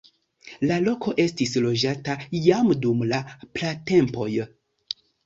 La loko estis loĝata jam dum la pratempoj.